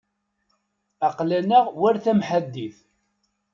Aql-aneɣ war tamḥaddit.